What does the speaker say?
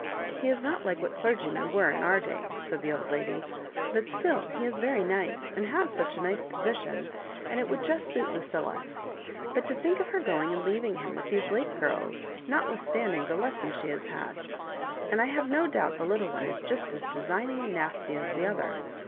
"He is not like what clergymen were in our day," said the old lady, " but still he is very nice, and has a nice position, and it would just suit Lucilla; but to think of her going and leaving him with these Lake girls, notwitfap standing the lesson she has had 1 and I have no doubt the little one is just as designing and nasty as the other.